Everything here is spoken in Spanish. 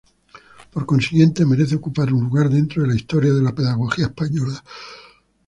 Por consiguiente, merece ocupar un lugar dentro de la historia de la pedagogía española.